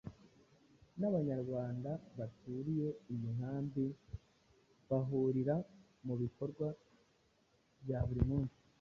nabanyarwanda baturiye iyi nkambi bahurira mu bikorwa bya buri munsi